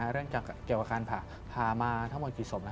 เรื่องเกี่ยวกันผ่ามาถ้าหมดกี่สม